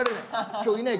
今日いない？